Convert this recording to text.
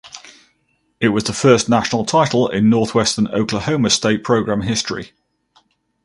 It was the first national title in Northwestern Oklahoma State program history.